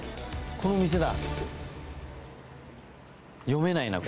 このお店だ。